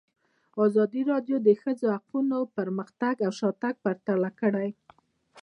ازادي راډیو د د ښځو حقونه پرمختګ او شاتګ پرتله کړی.